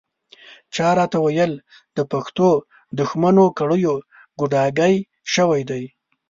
چا راته ویل د پښتون دښمنو کړیو ګوډاګی شوی یې.